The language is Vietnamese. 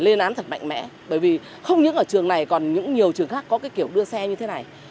lên án thật mạnh mẽ bởi vì không những ở trường này còn nhiều trường khác có cái kiểu đưa xe như thế này